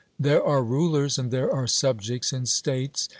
There are rulers and there are subjects in states.